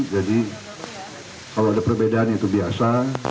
jadi kalau ada perbedaan itu biasa